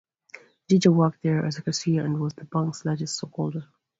Geiger worked there as a cashier and was the bank's largest stockholder.